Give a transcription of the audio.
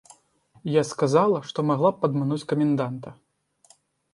Я сказала, што магла б падмануць каменданта.